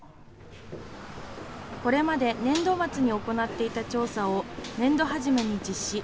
これまで年度末に行っていた調査を年度初めに実施。